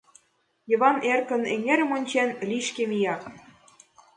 Йыван, эркын эҥерым вончен, лишке мия.